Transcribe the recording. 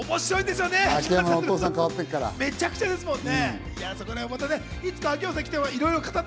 めちゃくちゃですもんね。